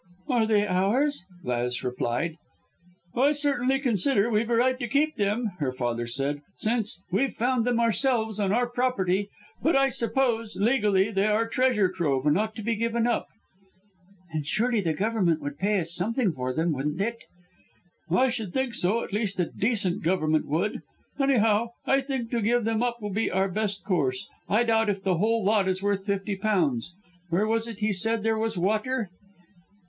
"Are they ours?" Gladys replied. "I certainly consider we've a right to keep them," her father said, "since we've found them ourselves on our own property, but I suppose, legally, they are treasure trove and ought to be given up." "Then surely the Government would pay us something for them, wouldn't it?" "I should think so, at least a decent Government would. Anyhow, I think to give them up will be our best course. I doubt if the whole lot is worth fifty pounds. Where was it he said there was water?"